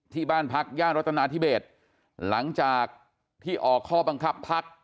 ที่บ้านพักย่านรัฐนาธิเบสหลังจากที่ออกข้อบังคับพัก